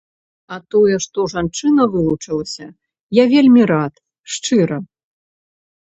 А тое, што жанчына вылучылася, я вельмі рад, шчыра.